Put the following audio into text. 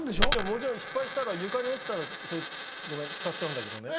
もちろん失敗したら床に落ちたらごめん使っちゃうんだけどね。